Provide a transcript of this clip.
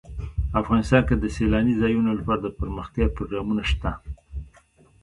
افغانستان کې د سیلانی ځایونه لپاره دپرمختیا پروګرامونه شته.